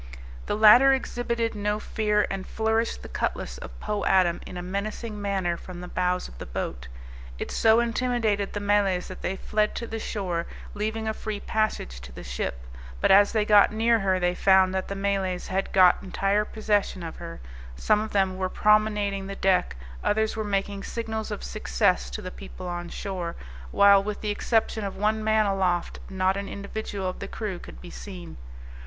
The latter exhibited no fear, and flourished the cutlass of Po Adam in a menacing manner from the bows of the boat; it so intimidated the Malays that they fled to the shore, leaving a free passage to the ship; but as they got near her they found that the Malays had got entire possession of her; some of them were promenading the deck, others were making signals of success to the people on shore, while, with the exception of one man aloft, not an individual of the crew could be seen.